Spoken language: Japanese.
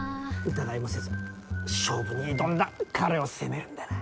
疑いもせず勝負に挑んだ彼を責めるんだな。